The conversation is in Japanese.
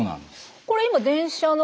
これ今電車の。